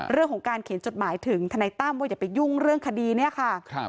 เรื่องของการเขียนจดหมายถึงทนายตั้มว่าอย่าไปยุ่งเรื่องคดีเนี่ยค่ะ